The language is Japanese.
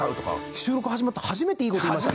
収録始まって初めていい事言いましたね。